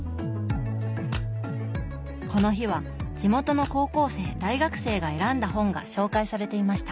この日は地元の高校生・大学生が選んだ本が紹介されていました。